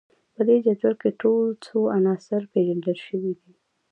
په دې جدول کې ټول څو عناصر پیژندل شوي دي